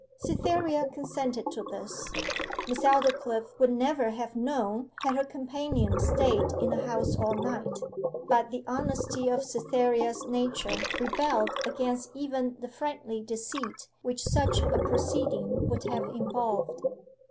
Cytherea consented to this. Miss Aldclyffe would never have known had her companion stayed in the house all night; but the honesty of Cytherea's nature rebelled against even the friendly deceit which such a proceeding would have involved.